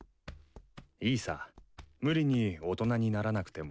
いいさ無理に大人にならなくても。